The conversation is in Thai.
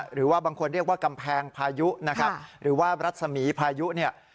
หรือว่าบางคนเรียกว่ากำแพงพายุนะครับหรือว่ารัศมีพายุเนี่ย